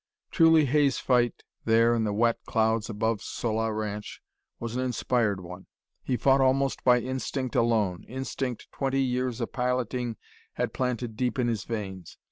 Truly, Hay's fight there in the wet clouds above Sola Ranch was an inspired one. He fought almost by instinct alone, instinct twenty years of piloting had planted deep in his veins.